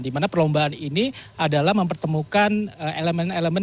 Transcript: di mana perlombaan ini adalah mempertemukan elemen elemen